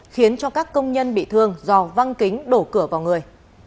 khiến cho các công nhân bị thương do văng kính đổ cửa vào người